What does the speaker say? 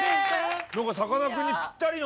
何かさかなクンにぴったりの。